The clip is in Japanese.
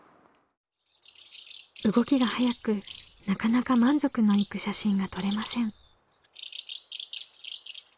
動きが速くなかなか満足のいく写真が撮れません。